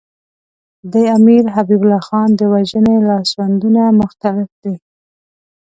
د امیر حبیب الله خان د وژنې لاسوندونه مختلف دي.